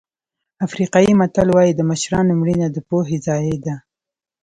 افریقایي متل وایي د مشرانو مړینه د پوهې ضایع ده.